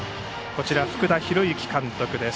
福田博之監督です。